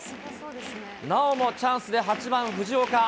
なおもチャンスで８番藤岡。